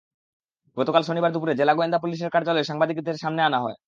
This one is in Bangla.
গতকাল শনিবার দুপুরে জেলা গোয়েন্দা পুলিশের কার্যালয়ে সাংবাদিকদের সামনে আনা হয়।